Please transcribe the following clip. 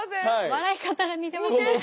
笑い方が似てますよね。